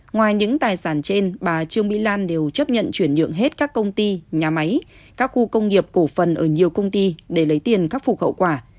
ngoài những tài sản trên bà trương mỹ lan đều chấp nhận chuyển nhượng hết các công ty nhà máy các khu công nghiệp cổ phần ở nhiều công ty để lấy tiền khắc phục hậu quả